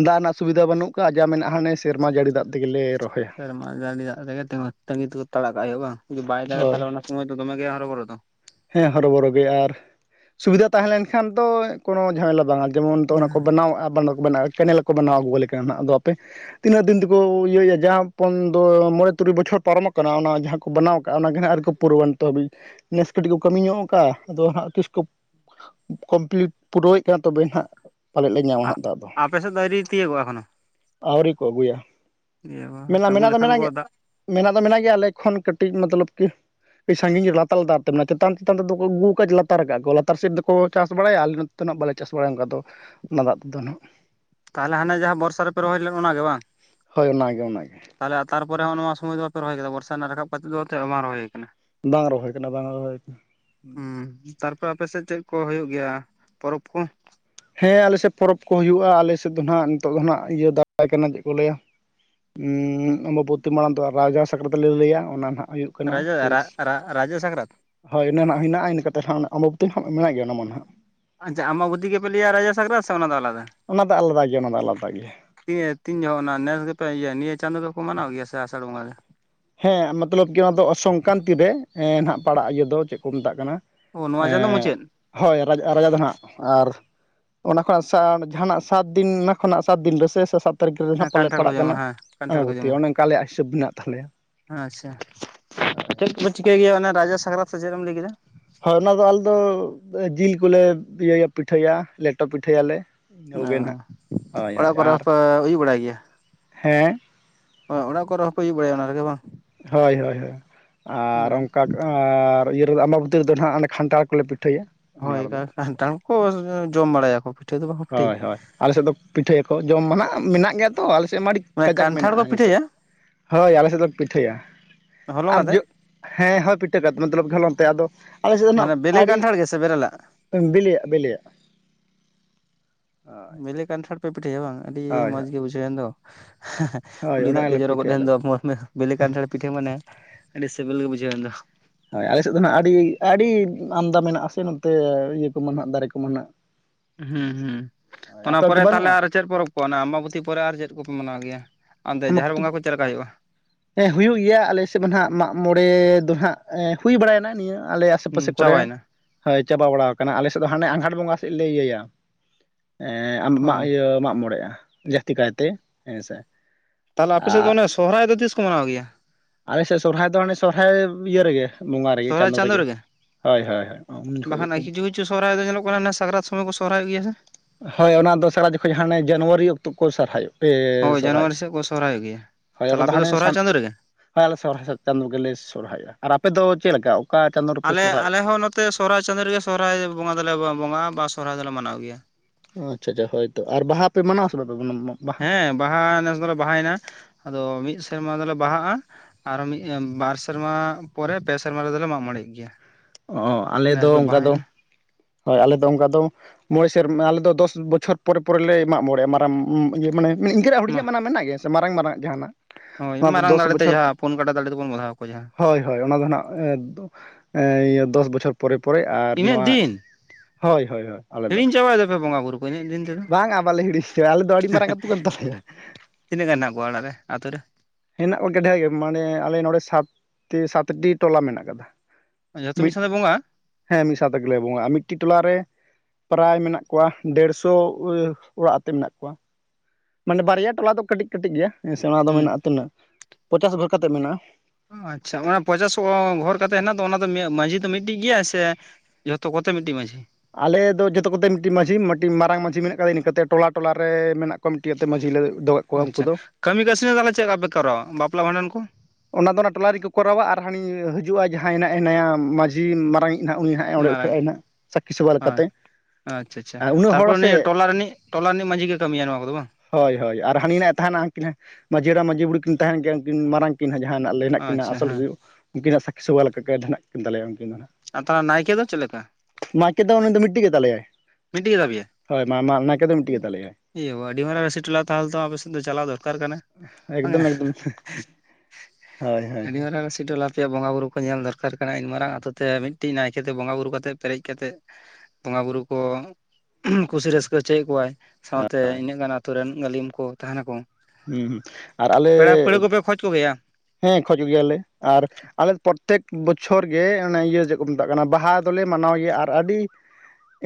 ᱫᱟᱜ ᱨᱮᱱᱟᱜ ᱥᱩᱵᱤᱫᱷᱟ ᱵᱟᱹᱱᱩᱜ ᱠᱟᱜᱼᱟ ᱡᱟ ᱢᱮᱱᱟᱜ ᱦᱟᱱᱮ ᱥᱮᱨᱢᱟ ᱡᱟᱹᱲᱤ ᱫᱟᱜ ᱛᱮᱜᱮ ᱞᱮ ᱨᱚᱜᱼᱼ ᱥᱮᱨ ᱢᱟ ᱡᱟᱹᱲᱤ ᱫᱟᱜ ᱨᱮᱜᱮ ᱛᱟᱹᱜᱤ ᱛᱩᱜᱚ ᱛᱟᱲᱟᱜ ᱠᱟᱜ ᱦᱩᱭᱩᱜᱼᱟ ᱵᱟᱝ, ᱡᱩᱫᱤ ᱵᱟᱭ ᱫᱟᱜ ᱫᱟᱲᱮᱭᱟᱜᱼᱟ ᱦᱳᱭ ᱛᱟᱦᱞᱮ ᱚᱱᱟ ᱥᱚᱢᱚᱭ ᱫᱚ ᱫᱚᱢᱮ ᱜᱮ ᱦᱚᱨᱚ ᱵᱚᱨᱚ ᱫᱚ ᱦᱮᱸ ᱦᱚᱨᱚ ᱵᱚᱨᱚ ᱜᱮᱭᱟ ᱟᱨ ᱥᱩᱵᱤᱫᱟ ᱛᱟᱦᱮᱸ ᱞᱮᱱᱠᱷᱟᱱ ᱫᱚ ᱠᱳᱱᱚ ᱡᱷᱟᱢᱮᱞᱟ ᱵᱟᱝ ᱼᱼ ᱡᱮᱢᱚᱱ ᱛᱚ ᱚᱱᱟ ᱠᱚ ᱵᱮᱱᱟᱣᱼᱟ ᱵᱟᱱᱟ ᱠᱚ ᱵᱮᱱᱟᱣᱼᱟ ᱠᱮᱱᱮᱞ ᱠᱚ ᱵᱮᱱᱟᱣ ᱟᱹᱜᱩᱣᱟᱞᱮ ᱠᱟᱱᱟ ᱱᱟᱜ ᱟᱫᱚ ᱟᱯᱮᱼᱼ ᱛᱤᱱᱟᱹᱜ ᱫᱤᱱ ᱛᱮᱠᱚ ᱤᱭᱟᱹᱭᱮᱫᱼᱟ ᱡᱟᱦᱟᱸ ᱯᱚᱱ ᱫᱚ ᱢᱚᱬᱮ ᱛᱩᱨᱩᱭ ᱵᱚᱪᱷᱚᱨ ᱯᱟᱨᱚᱢᱟ ᱠᱟᱱᱟ ᱚᱱᱟ ᱡᱟᱦᱟᱸ ᱠᱚ ᱵᱮᱱᱟᱣ ᱠᱟᱜᱼᱟ ᱚᱱᱟᱜᱮ ᱦᱟᱸᱜ ᱟᱣᱨᱤ ᱠᱚᱼᱼ ᱯᱩᱨᱟᱹᱣᱟ ᱱᱤᱛᱚᱜ ᱦᱟᱵᱤᱪ ᱱᱮᱥᱼᱼ ᱠᱟᱹᱴᱤᱡ ᱠᱚ ᱠᱟᱹᱢᱤ ᱧᱚᱜ ᱠᱟᱜᱼᱟ ᱟᱫᱚ ᱦᱟᱸᱜ ᱛᱤᱥ ᱠᱚ ᱠᱚᱢᱯᱞᱤᱴ ᱯᱩᱨᱟᱹᱣᱮᱫ ᱠᱟᱱ ᱛᱚᱵᱮ ᱱᱟᱸᱜᱼᱼ ᱯᱟᱞᱮᱫ ᱞᱮ ᱧᱟᱢᱟ ᱦᱟᱸᱜ ᱫᱟᱜ ᱫᱚ ᱟᱯᱮ ᱥᱮᱫᱽ ᱫᱚ ᱟᱣᱨᱤ ᱛᱤᱭᱟᱹᱜᱚᱜᱼᱟ ᱮᱠᱷᱳᱱᱳ? ᱟᱹᱣᱨᱤ ᱠᱚ ᱟᱹᱜᱩᱭᱟ ᱤᱭᱟᱹ ᱵᱟᱝ ᱢᱮᱱᱟ ᱟᱹᱜᱩ ᱢᱮᱱᱟᱜ ᱫᱚ ᱞᱮᱠᱷᱟᱱ ᱢᱮᱱᱟᱜ ᱠᱚ ᱜᱮ ᱫᱟᱜ ᱢᱮᱱᱟᱜ ᱫᱚ ᱢᱮᱱᱟᱜ ᱜᱮᱭᱟ ᱟᱞᱮ ᱠᱷᱚᱱ ᱠᱟᱹᱴᱤᱡ ᱢᱚᱛᱞᱚᱵ ᱠᱤ ᱟᱹᱰᱤ ᱥᱟᱸᱜᱤᱧ ᱨᱮ ᱞᱟᱛᱟᱨ ᱞᱟᱛᱟᱨ ᱛᱮ ᱢᱟᱱᱮ ᱪᱮᱛᱟᱱ ᱪᱮᱛᱟᱱ ᱛᱮᱫᱚ ᱠᱚ ᱟᱹᱜᱩᱣ ᱠᱟᱫᱼᱟ ᱞᱟᱛᱟᱨ ᱠᱟᱜᱼᱟ ᱠᱚ ᱞᱟᱛᱟᱨ ᱥᱮᱫ ᱫᱚ ᱠᱚ ᱪᱟᱥ ᱵᱟᱲᱟᱭᱟ ᱟᱞᱮᱼᱼ ᱛᱮᱱᱟᱜ ᱵᱟᱞᱮ ᱪᱟᱥ ᱵᱟᱲᱟᱭᱟ ᱚᱱᱠᱟ ᱫᱚ ᱚᱱᱟ ᱫᱟᱜ ᱛᱮᱫᱚ ᱱᱟᱜ ᱛᱟᱦᱞᱮ ᱦᱟᱱᱮ ᱡᱟᱦᱟᱸ ᱵᱚᱨᱥᱟ ᱨᱮᱯᱮ ᱨᱚᱦᱚᱭ ᱞᱮᱱ ᱚᱱᱟ ᱜᱮ ᱵᱟᱝ ᱦᱳᱭ ᱚᱱᱟᱜᱮ ᱚᱱᱟᱜᱮ ᱛᱟᱦᱞᱮ ᱛᱟᱨᱯᱚᱨᱮ ᱦᱚᱸ ᱱᱚᱣᱟ ᱥᱚᱢᱚᱭ ᱫᱚ ᱵᱟᱯᱮ ᱨᱚᱦᱚᱭᱮᱫᱟ ᱵᱚᱨᱥᱟ ᱨᱮᱱᱟᱜ ᱨᱟᱠᱟᱵ ᱠᱟᱛᱮᱫ ᱫᱚ ᱪᱮᱫ ᱦᱚᱸ ᱵᱟᱝ ᱨᱚᱦᱚᱭᱟ ᱠᱟᱱᱟ ᱵᱟᱝ ᱨᱚᱦᱚᱭ ᱠᱟᱱᱟ ᱵᱟᱝ ᱨᱚᱦᱚᱭ ᱠᱟᱱᱟ ᱱᱤᱛᱟᱨ ᱛᱚ ᱟᱯᱮᱥᱮᱫ ᱪᱮᱫ ᱠᱚ ᱦᱩᱭᱩᱜ ᱜᱮᱭᱟ ᱯᱚᱨᱚᱵᱽ ᱠᱚ? ᱦᱮᱸ ᱟᱞᱮᱥᱮᱫ ᱯᱚᱨᱚᱵᱽ ᱠᱚ ᱦᱩᱭᱩᱜᱼᱟ ᱟᱞᱮᱥᱮᱫ ᱫᱚ ᱱᱟᱦᱟᱸᱜ ᱱᱤᱛᱚᱜ ᱫᱚ ᱱᱟᱦᱟᱸᱜ ᱤᱭᱟᱹ ᱫᱟᱨᱟᱭ ᱠᱟᱱᱟ ᱪᱮᱫ ᱠᱚ ᱞᱟᱹᱭᱟ ᱩᱸ ᱚᱢᱵᱚᱵᱚᱛᱤ ᱢᱟᱲᱟᱝ ᱫᱚ ᱨᱟᱡᱟ ᱥᱟᱠᱨᱟᱛ ᱞᱮ ᱞᱟᱹᱭᱟ ᱚᱱᱟ ᱱᱟᱦᱟᱸᱜ ᱦᱩᱭᱩᱜ ᱠᱟᱱᱟ ᱨᱟᱡᱟ ᱨᱟ ᱵᱮᱥ ᱨᱟ ᱨᱟᱡᱟ ᱥᱟᱠᱨᱟᱛ ᱦᱳᱭ ᱤᱱᱟᱹ ᱱᱟᱦᱟᱸᱜ ᱦᱮᱱᱟᱜᱼᱟ ᱤᱱᱟᱹᱛᱮ ᱦᱟᱸᱜ ᱚᱢᱵᱚᱵᱚᱛᱤ ᱦᱟᱸᱜ ᱢᱮᱱᱟᱜ ᱜᱮᱭᱟ ᱚᱱᱟ ᱢᱟ ᱱᱟᱦᱟᱸᱜ ᱟᱪᱪᱷᱟ ᱟᱢᱵᱟᱵᱚᱛᱤ ᱜᱮᱯᱮ ᱞᱟᱹᱭᱟ ᱨᱟᱡᱟ ᱥᱟᱠᱨᱟᱛ ᱥᱮ ᱚᱱᱟ ᱫᱚ ᱟᱞᱟᱫᱟ? ᱚᱱᱟ ᱫᱚ ᱟᱞᱟᱫᱟ ᱜᱮᱭᱟ ᱚᱱᱟ ᱫᱚ ᱟᱞᱟᱫᱟ ᱜᱮᱭᱟ ᱾ ᱛᱤᱱ ᱡᱚᱦᱚᱜ ᱚᱱᱟ ᱱᱮᱥ ᱜᱮᱯᱮ ᱤᱭᱟᱹ ᱱᱤᱭᱟᱹ ᱪᱟᱸᱫᱳ ᱜᱮᱠᱚ ᱢᱟᱱᱟᱣ ᱜᱮᱭᱟ ᱥᱮ ᱟᱥᱟᱲ ᱵᱚᱸᱜᱟ ᱨᱮ? ᱦᱮᱸ ᱢᱚᱛᱞᱚᱵᱽ ᱠᱤ ᱱᱚᱣᱟ ᱫᱚ ᱥᱚᱝᱠᱨᱟᱱᱛᱤ ᱨᱮ ᱱᱟᱦᱟᱸᱜ ᱯᱟᱲᱟᱜᱼᱟ ᱤᱭᱟᱹ ᱫᱚ ᱪᱮᱫ ᱠᱚ ᱢᱮᱛᱟᱜ ᱠᱟᱱᱟ ᱚ ᱱᱚᱣᱟ ᱪᱟᱸᱫᱳ ᱮᱸᱻᱜ ᱢᱩᱪᱟᱹᱫ ᱦᱳᱭ ᱨᱟᱡᱟ ᱨᱟᱡᱟ ᱫᱚ ᱦᱟᱸᱜ ᱟᱨ ᱚᱱᱟ ᱠᱷᱚᱱ ᱥᱟᱱ ᱡᱟᱦᱟᱸᱱᱟᱜ ᱥᱟᱛ ᱫᱤᱱ ᱚᱱᱟ ᱠᱷᱚᱱᱟᱜ ᱥᱟᱛ ᱫᱤᱱ ᱨᱟᱹᱥᱟᱹ ᱥᱮ ᱥᱟᱛ ᱛᱟᱹᱨᱤᱠᱷ ᱨᱮ ᱦᱮᱸ ᱱᱟᱦᱟᱸᱜ ᱯᱟᱞᱮ ᱠᱟᱱᱴᱷᱟᱲ ᱠᱚ ᱯᱟᱲᱟᱜ ᱡᱚᱢᱟ ᱠᱟᱱᱟ ᱠᱟᱱᱴᱷᱟᱲ ᱠᱚ ᱟᱢᱵᱚᱵᱚᱛᱤ ᱡᱚᱢᱟ ᱚᱱᱮ ᱚᱱᱠᱟ ᱟᱞᱮᱭᱟᱜ ᱦᱤᱥᱟᱹᱵ ᱢᱮᱱᱟᱜ ᱛᱟᱞᱮᱭᱟ ᱦᱮᱸ ᱟᱪᱪᱷᱟ ᱦᱳᱭ ᱪᱮᱫ ᱠᱚᱯᱮ ᱪᱤᱠᱟᱹᱭ ᱜᱮᱭᱟ ᱚᱱᱟ ᱨᱟᱡᱟ ᱥᱟᱠᱨᱟᱛ ᱥᱮ ᱪᱮᱫ ᱮᱢ ᱞᱟᱹᱭ ᱠᱮᱫᱟ? ᱦᱳᱭ ᱚᱱᱟ ᱫᱚ ᱟᱞᱮ ᱫᱚ ᱡᱤᱞ ᱠᱚᱞᱮ ᱤᱭᱟᱹᱭᱟ ᱯᱤᱴᱷᱟᱹᱭᱟ ᱞᱮᱴᱚ ᱯᱤᱴᱷᱟᱹᱭᱟᱞᱮ ᱾ ᱚ ᱚᱲᱟᱜ ᱠᱚᱨᱮ ᱠᱛᱯᱮ ᱦᱩᱭ ᱵᱟᱲᱟᱭ ᱜᱮᱭᱟ? ᱦᱮᱸ ᱚᱲᱟᱜ ᱠᱚᱨᱮ ᱦᱚᱸᱯᱮ ᱦᱤᱡᱩᱜ ᱵᱟᱲᱟᱭᱟ ᱚᱱᱟ ᱟᱨᱮ ᱵᱟᱝ? ᱦᱳᱭ ᱦᱳᱭ ᱦᱳᱭ ᱟᱨ ᱚᱱᱠᱟ ᱟᱨ ᱤᱭᱟᱹ ᱨᱮᱫᱚ ᱟᱢᱵᱟᱵᱟᱹᱛᱤ ᱨᱮᱫᱚ ᱱᱟᱦᱟᱸᱜ ᱚᱱᱮ ᱠᱷᱟᱱᱴᱷᱟᱲ ᱠᱚᱞᱮ ᱯᱤᱴᱷᱟᱹᱭᱟ ᱚᱱᱟ ᱦᱳᱭ ᱨᱮᱫᱚ ᱠᱟᱱᱴᱷᱟᱲ ᱠᱚ ᱡᱚᱢ ᱵᱟᱲᱟᱭᱟᱠᱚ ᱫᱚ ᱵᱟᱠᱚ ᱯᱤᱴᱷᱟᱹᱭᱟ ᱦᱳᱭ ᱦᱳᱭ ᱟᱞᱮᱥᱮᱫ ᱫᱚ ᱯᱤᱴᱷᱟᱹᱭᱟᱠᱚ ᱡᱚᱢ ᱢᱟ ᱦᱟᱸᱜ ᱢᱮᱱᱟᱜ ᱜᱮᱭᱟ ᱛᱚ ᱟᱞᱮᱥᱮᱫ ᱢᱟ ᱟᱹᱰᱤ ᱢᱟᱱᱮ ᱠᱟᱡᱟᱠ ᱠᱟᱱᱴᱷᱟᱲ ᱢᱮᱱᱟᱜᱼᱟ ᱠᱚ ᱦᱮᱸᱥᱮ ᱯᱤᱴᱷᱟᱹᱭᱟ ᱦᱳᱭ ᱟᱞᱮ ᱥᱮᱫ ᱫᱚ ᱯᱤᱴᱷᱟᱹᱭᱟ ᱦᱚᱞᱚᱝ ᱟᱨ ᱟᱛᱮᱫ ᱡᱚᱜ ᱦᱮᱸ ᱦᱳᱭ ᱯᱤᱴᱷᱟᱹ ᱠᱟᱛ ᱢᱚᱛᱞᱚᱵᱽ ᱜᱷᱚᱞᱚᱱ ᱛᱮ ᱟᱫᱚ ᱾ ᱢᱟᱱᱮ ᱵᱮᱞᱮ ᱠᱟᱱᱴᱷᱟᱲ ᱜᱮ ᱥᱮ ᱵᱮᱨᱮᱞᱟᱜ? ᱵᱤᱞᱤᱭᱟᱜ ᱵᱮᱞᱤᱭᱟᱜ ᱾ ᱵᱮᱞᱮ ᱠᱟᱱᱴᱷᱟᱲ ᱯᱮ ᱯᱤᱴᱷᱟᱹᱭᱟ ᱵᱟᱝ ᱟᱹᱰᱤ ᱦᱳᱭ ᱢᱚᱸᱡᱽ ᱜᱮ ᱵᱩᱡᱷᱟᱹᱣ ᱮᱱ ᱫᱚ [inaudible] ᱦᱳᱭ ᱩᱞᱤ ᱫᱟᱜ ᱚᱱᱟ ᱜᱮ ᱜᱮᱞᱮ ᱡᱚᱨᱚ ᱜᱚᱫ ᱯᱤᱴᱷᱟᱹᱭᱟ ᱮᱱ ᱟᱞᱮ ᱫᱚ [inaudible] ᱵᱮᱞᱮ ᱠᱟᱱᱴᱷᱟᱲ ᱯᱤᱴᱷᱟᱹ ᱢᱟᱱᱮ ᱟᱹᱰᱤ ᱥᱮᱵᱤᱞ ᱜᱮ ᱵᱩᱡᱷᱟᱹᱣ ᱮᱱ ᱫᱚ ᱾ ᱦᱳᱭ ᱟᱞᱮ ᱥᱮᱫ ᱫᱚ ᱱᱟᱦᱟᱸᱜ ᱟᱹᱰᱤ ᱟᱹᱰᱤ ᱟᱢᱫᱟ ᱢᱮᱱᱟᱜᱼᱟᱥᱮ ᱱᱚᱱᱛᱮ ᱤᱭᱟᱹ ᱠᱚᱢᱟ ᱱᱟᱦᱟᱸᱜ ᱫᱟᱨᱮ ᱠᱚᱢᱟ ᱢᱟᱱᱟᱸᱜ ᱾ ᱦᱩᱸ ᱦᱩᱸ ᱚᱱᱟ ᱟᱯᱮ ᱚᱱᱛᱮ ᱯᱚᱨᱮ ᱛᱟᱦᱞᱮ ᱵᱟᱹᱱᱩᱜᱼᱟ ᱟᱨ ᱪᱮᱫ ᱯᱚᱨᱚᱵᱽ? [inaudible] ᱚᱱᱟ ᱟᱢᱵᱟᱵᱚᱛᱤ ᱯᱚᱨᱮ ᱟᱨ ᱪᱮᱫ ᱠᱚᱯᱮ ᱢᱟᱱᱟᱣ ᱜᱮᱭᱟ ᱟᱱᱛᱮ ᱡᱟᱦᱮᱨ ᱵᱚᱸᱜᱟ ᱠᱚ ᱪᱮᱞᱠᱟ ᱦᱩᱭᱩᱜᱼᱟ? ᱦᱮᱸ ᱦᱩᱭᱩᱜ ᱜᱮᱭᱟ ᱟᱞᱮ ᱥᱮᱫ ᱢᱟ ᱱᱟᱦᱟᱸᱜ ᱢᱟᱜ ᱢᱚᱬᱮ ᱫᱚ ᱦᱟᱸᱜ ᱦᱩᱭ ᱵᱟᱲᱟᱭᱮᱱᱟ ᱱᱤᱭᱟᱹ ᱟᱞᱮᱭᱟ ᱥᱟᱯᱟᱥᱤ ᱦᱩᱸ ᱠᱚᱨᱮ ᱪᱟᱵᱟᱭᱮᱱᱟ ᱦᱳᱭ ᱪᱟᱵᱟ ᱵᱟᱲᱟᱣ ᱠᱟᱱᱟ ᱟᱞᱮ ᱥᱮᱫ ᱫᱚ ᱦᱟᱱᱮ ᱟᱸᱜᱷᱟᱲ ᱵᱚᱸᱜᱟ ᱥᱮᱫ ᱞᱮ ᱤᱭᱟᱹᱭᱟ ᱾ ᱮᱸ ᱢᱟᱜ ᱚ ᱤᱭᱟᱹ ᱢᱟᱜ ᱢᱚᱬᱮᱜᱼᱟ ᱡᱟᱹᱥᱛᱤ ᱠᱟᱭᱛᱮ ᱦᱮᱸ ᱥᱮ ᱾ ᱛᱟᱞᱮ ᱟᱯᱮ ᱥᱮᱫ ᱫᱚ ᱚᱱᱮ ᱥᱚᱦᱨᱟᱭ ᱫᱚ ᱛᱤᱥ ᱠᱚ ᱢᱟᱱᱟᱣ ᱜᱮᱭᱟ? ᱟᱞᱮ ᱥᱮᱜ ᱥᱚᱨᱦᱟᱭ ᱫᱚ ᱦᱟᱱᱮ ᱥᱚᱨᱦᱟᱭ ᱤᱭᱟᱹ ᱨᱮᱜᱮ ᱵᱚᱸᱜᱟ ᱨᱮᱜᱮ ᱪᱟᱸᱫᱳ ᱨᱮᱜᱮ ᱾ ᱦᱳᱭ ᱦᱳᱭ ᱦᱳᱭ ᱩᱱ ᱡᱚᱠᱷᱚᱡ ᱜᱮ ᱠᱚ ᱾ ᱪᱷᱩ ᱥᱚᱦᱨᱟᱭ ᱫᱚ ᱧᱮᱞᱚᱜ ᱠᱟᱱᱟ ᱚᱱᱟ ᱥᱟᱠᱨᱟᱛ ᱥᱚᱢᱚᱭ ᱠᱚ ᱥᱚᱦᱨᱟᱭᱚᱜ ᱜᱮᱭᱟ ᱥᱮ? ᱦᱳᱭ ᱚᱱᱟ ᱫᱚ ᱫᱚᱥᱨᱟ ᱡᱚᱠᱷᱚᱡ ᱦᱟᱱᱮ ᱡᱟᱱᱩᱣᱟᱨᱤ ᱚᱠᱛᱚ ᱠᱚ ᱥᱚᱦᱨᱟᱭᱚᱜ ᱾ ᱯᱮ ᱦᱳᱭ ᱥᱚᱦᱨᱟᱭ ᱡᱟᱱᱩᱣᱟᱨᱤ ᱥᱮᱫ ᱠᱚ ᱥᱚᱦᱨᱟᱭᱚᱜ ᱜᱮᱭᱟ ᱦᱳᱭ ᱚᱱᱟ ᱛᱟᱦᱚᱞᱮ ᱫᱚ ᱟᱯᱮ ᱦᱟᱱᱮ ᱥᱚᱦᱨᱟᱭ ᱥᱟᱱᱼ ᱪᱟᱸᱫᱳ ᱨᱮᱜᱮ? ᱦᱳᱭ ᱟᱞᱮ ᱥᱚᱦᱨᱟᱭ ᱪᱟᱸᱫᱳ ᱜᱮᱞᱮ ᱥᱚᱦᱨᱟᱭᱟ ᱟᱨ ᱟᱯᱮᱫᱚ ᱪᱮᱞᱠᱟ? ᱟᱞᱮ ᱟᱞᱮ ᱦᱚᱸ ᱱᱚᱛᱮ ᱥᱚᱦᱨᱟᱭ ᱪᱟᱸᱫᱳ ᱨᱮᱜᱮ ᱥᱚᱦᱨᱟᱭ ᱵᱚᱸᱜᱟ ᱫᱚᱞᱮ ᱵᱚᱸᱜᱟᱼᱟ ᱵᱟ ᱥᱚᱦᱨᱟᱭ ᱫᱚᱞᱮ ᱢᱟᱱᱟᱣ ᱜᱮᱭᱟ ᱾ ᱟᱪᱪᱷᱟ ᱟᱪᱪᱷᱟ ᱦᱳᱭᱛᱚ ᱟᱨ ᱵᱟᱦᱟ ᱯᱮ ᱢᱟᱱᱟᱣᱟ ᱥᱮ ᱵᱟᱯᱮ [inaudible] ᱦᱮᱸ ᱵᱟᱦᱟ ᱱᱮᱥ ᱫᱚᱞᱮ ᱵᱟᱦᱟᱭᱱᱟ ᱟᱫᱚ ᱢᱤᱫ ᱥᱮᱨᱢᱟ ᱫᱚᱞᱮ ᱵᱟᱦᱟᱜᱼᱟ ᱾ ᱟᱨᱚ ᱢᱤᱫ ᱵᱟᱨ ᱥᱮᱨᱢᱟ ᱯᱚᱨᱮ ᱯᱮ ᱥᱮᱨᱢᱟ ᱨᱮᱫᱚᱞᱮ ᱢᱟᱜ ᱢᱚᱬᱮᱜ ᱜᱮᱭᱟ ᱾ ᱚ ᱟᱞᱮ ᱫᱚ ᱚᱱᱠᱟ ᱫᱚ ᱦᱳᱭ ᱟᱞᱮᱫᱚ ᱚᱱᱠᱟ ᱫᱚ ᱢᱚᱬᱮ ᱥᱮᱨᱮᱢ ᱟᱞᱮ ᱫᱚ ᱫᱚᱥ ᱵᱚᱪᱷᱚᱨ ᱯᱚᱨᱮ ᱯᱚᱨᱮ ᱞᱮ ᱢᱟᱜ ᱢᱚᱬᱮᱜᱼᱟ ᱢᱟᱨᱟᱝ ᱤᱭᱟᱹ ᱢᱟᱱᱮ ᱾ ᱤᱱᱠᱟᱹᱱᱟᱜ ᱦᱩᱰᱤᱧ ᱢᱟ ᱧᱚᱜ ᱢᱟᱱᱟ ᱢᱮᱱᱟᱜ ᱜᱮᱭᱟ ᱥᱮ ᱢᱟᱨᱟᱝ ᱢᱟᱨᱟᱝ ᱡᱟᱦᱟᱸᱱᱟᱜ ᱾ ᱦᱳᱭ ᱚᱱᱟ ᱫᱚ ᱢᱟᱨᱟᱝ ᱫᱚᱥ ᱫᱟᱲᱮ ᱛᱮ ᱵᱚᱪᱷᱚᱨ ᱡᱟᱦᱟᱸ ᱯᱩᱱ ᱠᱟᱴᱟ ᱫᱟᱲᱮ ᱛᱮᱵᱚᱱ ᱵᱟᱫᱷᱟᱣ ᱟᱠᱚᱣᱟ ᱡᱟᱦᱟᱸ ᱦᱳᱭ ᱦᱳᱭ ᱚᱱᱟ ᱫᱚ ᱱᱟᱦᱟᱸᱜ ᱾ [inaudible] ᱫᱚᱥ ᱵᱚᱪᱷᱚᱨ ᱯᱚᱨᱮ ᱯᱚᱨᱮ ᱟᱨ ᱤᱱᱟᱹᱜ ᱱᱚᱣᱟ ᱼᱼ ᱫᱤᱱ ᱦᱤᱲᱤᱧ ᱪᱟᱵᱟᱭ ᱫᱟᱯᱮ ᱵᱚᱸᱜᱟ ᱵᱩᱨᱩ ᱠᱚ᱾ ᱤᱱᱟᱹᱜ ᱫᱤᱱ ᱼᱼ ᱵᱟᱝᱼᱟ ᱵᱟᱞᱮ ᱦᱤᱲᱤᱧ [inaudible] ᱟᱞᱮ ᱫᱚ ᱟᱹᱰᱤ ᱢᱟᱨᱟᱝ ᱟᱹᱛᱩ ᱠᱟᱱ ᱛᱟᱞᱮᱭᱟ। ᱛᱤᱱᱟᱹᱜ ᱜᱟᱱ ᱦᱮᱱᱟᱜ ᱠᱚᱣᱟ ᱚᱲᱟᱜ ᱨᱮ, ᱟᱛᱳ ᱨᱮ? ᱦᱮᱱᱟᱜ ᱠᱚᱜᱮ ᱰᱷᱮ ᱜᱮᱢ, ᱢᱟᱱᱮ ᱟᱞᱮ ᱱᱚᱸᱰᱮ ᱥᱟᱛ ᱴᱤ ᱥᱟᱛᱴᱤ ᱴᱚᱞᱟ ᱢᱮᱱᱟᱜ ᱠᱟᱫᱟ। ᱡᱷᱚᱛᱚ ᱢᱤᱫ ᱥᱟᱶᱛᱮ ᱵᱚᱸᱜᱟ? ᱦᱮᱸ ᱢᱤᱫ ᱥᱟᱶ ᱛᱮᱜᱮ ᱵᱚᱸᱜᱟᱜᱼᱟ। ᱢᱤᱫᱴᱤᱡ ᱴᱚᱞᱟ ᱨᱮ ᱼᱼ ᱯᱨᱟᱭ ᱢᱮᱱᱟᱜ ᱠᱚᱣᱟ ᱰᱮᱲᱥᱳ [inaudible] ᱚᱲᱟᱜ ᱟᱛᱮᱫ ᱢᱮᱱᱟᱜ ᱠᱚᱣᱟ। ᱢᱟᱱᱮ ᱵᱟᱨᱭᱟ ᱴᱚᱞᱟ ᱫᱚ ᱠᱟᱹᱴᱤᱡ ᱠᱟᱹᱴᱤᱡ ᱜᱮᱭᱟ, ᱦᱮᱸ ᱥᱮ। ᱚᱱᱟ ᱫᱚ ᱦᱩᱸ ᱢᱮᱱᱟᱜᱼᱟ ᱛᱤᱱᱟᱹᱜ? ᱯᱚᱪᱟᱥ ᱜᱷᱚᱨ ᱠᱟᱛᱮ ᱢᱮᱱᱟᱜᱼᱟ। ᱩᱸ ᱟᱪᱪᱷᱟ ᱚᱱᱟ ᱯᱚᱸᱪᱟᱥ ᱜᱷᱚᱨ ᱠᱟᱛᱮ ᱦᱮᱱᱟᱜ ᱫᱚ, ᱚᱱᱟ ᱫᱚ ᱢᱟᱺᱡᱷᱤ ᱫᱚ ᱢᱤᱫᱴᱤᱡ ᱜᱤᱭᱟᱭ ᱥᱮ ᱼᱼ ᱡᱷᱚᱛᱚ ᱠᱚᱛᱮ ᱢᱤᱫᱴᱤᱡ ᱢᱟᱺᱡᱷᱤ ᱾ ᱟᱞᱮ ᱫᱚ ᱡᱚᱛᱚ ᱠᱚᱛᱮ ᱢᱤᱫᱴᱤᱡ ᱢᱟᱺᱡᱷᱤ, ᱢᱤᱫᱴᱤᱡ ᱢᱟᱨᱟᱝ ᱢᱟᱺᱡᱷᱤ ᱢᱮᱱᱟᱜ ᱠᱟᱫᱮ ᱱᱤᱠᱟᱹᱛᱮ ᱴᱚᱞᱟ ᱴᱚᱞᱟ ᱨᱮ ᱢᱮᱱᱟᱜ ᱠᱚ ᱢᱤᱼᱴᱤᱡ ᱟᱛᱮ ᱢᱟᱺᱡᱷᱤ ᱞᱮ। [inaudible] ᱟᱪᱪᱷᱟ, ᱠᱟᱹᱢᱤ ᱠᱟᱹᱥᱱᱤ ᱛᱷᱟᱞᱮ ᱪᱮᱜ ᱠᱟᱯᱮ ᱠᱟᱲᱚ ᱵᱟᱯᱞᱟ ᱵᱷᱟᱸᱰᱟᱱ ᱠᱚ? ᱚᱱᱟ ᱫᱚ ᱚᱱᱟ ᱴᱚᱞᱟ ᱨᱮᱠᱚ ᱠᱚᱨᱟᱣᱟ, ᱟᱨ ᱦᱟᱱᱤ ᱦᱟᱡᱩᱜᱼᱟᱭ ᱡᱟᱦᱟᱸᱭ ᱱᱟᱸᱜ ᱦᱮᱱᱟᱭᱟ ᱢᱟᱺᱡᱷᱤ ᱢᱟᱨᱟᱝᱤᱡ ᱼᱼ ᱱᱟᱸᱜ ᱩᱱᱤ ᱦᱟᱸᱜ ᱚᱸᱰᱮ ᱩᱴᱷᱳᱟᱭ ᱱᱟᱸᱜ ᱥᱟᱠᱠᱷᱤ ᱥᱚᱵᱟ ᱞᱮᱠᱟᱛᱮ। ᱟ ᱟᱪᱷᱟ ᱟᱪᱷᱟ ᱩᱱᱟᱹᱜ ᱦᱚᱲ ᱛᱟᱨᱯᱚᱨ ᱥᱮ ᱱᱤᱭᱟᱹ ᱴᱚᱞᱟ ᱨᱤᱱᱤᱡ ᱴᱚᱞᱟ ᱨᱤᱱᱤᱡ ᱢᱟᱺᱡᱷᱤ ᱜᱮ ᱠᱟᱹᱢᱤᱭᱟ ᱱᱚᱣᱟ ᱠᱚᱫᱚ ᱵᱟᱝ? ᱦᱳᱭ ᱦᱳᱭ ᱟᱨ ᱦᱟᱹᱱᱤ ᱱᱟᱭ ᱛᱟᱦᱮᱱᱟ ᱩᱱᱠᱤᱱ ᱦᱟᱸᱜ ᱢᱟᱺᱡᱷᱤ ᱦᱟᱲᱟᱢ ᱢᱟᱺᱡᱷᱤ ᱵᱩᱲᱤ ᱠᱤᱱ ᱛᱟᱦᱮᱱ ᱜᱮᱭᱟ ᱩᱱᱠᱤᱱ ᱢᱟᱨᱟᱝ ᱼᱼ ᱩᱱᱠᱤᱱ ᱦᱟᱸᱜ ᱡᱟᱦᱟᱱᱟᱜ ᱞᱮ ᱦᱮᱱᱟᱜ ᱠᱤᱱᱟ ᱟᱪᱪᱷᱟ ᱟᱥᱚᱞ ᱦᱮᱸ ᱩᱱᱠᱤᱱᱟᱜ ᱥᱟᱠᱷᱤ ᱥᱚᱵᱷᱟ ᱞᱮᱠᱟ ᱠᱮᱴ ᱦᱮᱱᱟᱜ ᱠᱤᱱ ᱛᱟᱞᱮᱭᱟ ᱩᱱᱠᱤᱱ ᱫᱚ ᱱᱟᱦᱟᱸᱜ। ᱟᱨ ᱛᱟᱦᱞᱮ ᱱᱟᱭᱠᱮ ᱫᱚ ᱪᱮᱫ ᱞᱮᱠᱟ? ᱱᱟᱭᱠᱮ ᱫᱚ ᱩᱱᱤ ᱫᱚ ᱢᱤᱫᱴᱤᱡ ᱜᱮ ᱛᱟᱞᱮᱭᱟᱭ᱾ ᱢᱤᱫᱴᱤᱡ ᱜᱮ ᱛᱟᱯᱮᱭᱟ? ᱦᱳᱭ ᱢᱟ ᱱᱟᱭᱠᱮ ᱫᱚ ᱢᱤᱫᱴᱤᱡ ᱜᱮ ᱛᱟᱞᱮᱭᱟᱭ [inaudible] ᱮ ᱵᱟᱵᱟ ᱟᱹᱰᱤ ᱢᱟᱨᱟᱝ ᱨᱟᱹᱥᱤ ᱴᱚᱞᱟ ᱛᱟᱦᱟᱞᱮ ᱛᱚ ᱟᱯᱮᱥᱮᱫ ᱫᱚ ᱪᱟᱞᱟᱣ ᱫᱚᱨᱠᱟᱨ ᱠᱟᱱᱟ᱾ ᱵᱟᱝᱟ ᱮᱠᱫᱚᱢ ᱮᱠᱫᱚᱢ ᱦᱳᱭ [inaudible] ᱦᱳᱭ ᱟᱹᱰᱤ ᱢᱟᱨᱟᱝ ᱨᱟᱹᱥᱤ ᱴᱚᱞᱟ ᱛᱮᱭᱟᱜ ᱵᱚᱸᱜᱟ ᱵᱩᱨᱩ ᱠᱚ ᱧᱮᱞ ᱫᱚᱨᱠᱟᱨ ᱠᱟᱱᱟ, ᱤᱱ ᱢᱟᱨᱟᱝ ᱟᱹᱛᱩ ᱛᱮ ᱢᱤᱫᱴᱤᱡ ᱱᱟᱭᱠᱮ ᱛᱮ ᱵᱚᱸᱜᱟ ᱵᱩᱨᱩ ᱠᱟᱛᱮᱫ ᱯᱮᱨᱮᱡ ᱠᱟᱛᱮᱫ [inaudible] ᱵᱚᱸᱜᱟ ᱵᱩᱨᱩ ᱠᱚ [inaudible] ᱠᱩᱥᱤ ᱨᱟᱹᱥᱠᱟᱹ ᱦᱚᱪᱚᱭᱮᱫ ᱠᱚᱣᱟᱭ, ᱥᱟᱶᱛᱮ ᱤᱱᱟᱹᱜ ᱜᱟᱱ ᱟᱛᱳ ᱨᱮᱱ ᱜᱟᱹᱞᱤᱢ ᱠᱚ ᱾ ᱛᱟᱦᱮᱱ ᱟᱠᱚ ᱦᱩᱸ ᱦᱩᱸ ᱾ ᱟᱨ ᱟᱞᱮ [inaudible] ᱯᱮᱲᱟ ᱯᱟᱹᱲᱦᱟᱹ ᱠᱚᱯᱮ ᱠᱷᱚᱡᱽ ᱠᱚᱜᱮᱭᱟ? ᱦᱮᱸ ᱠᱷᱚᱡᱽ ᱠᱚ ᱜᱮᱭᱟᱞᱮ ᱟᱨ ᱟᱞᱮ ᱯᱨᱚᱛᱛᱮᱠ ᱵᱚᱪᱷᱚᱨ ᱜᱮ ᱚᱱᱮ ᱤᱭᱟᱹ ᱪᱮᱫ ᱠᱚ ᱢᱮᱛᱟᱜ ᱠᱟᱱᱟ ᱵᱟᱦᱟ ᱫᱚᱞᱮ ᱢᱟᱱᱟᱣ ᱜᱮᱭᱟ। ᱟᱨ ᱟᱹᱰᱤ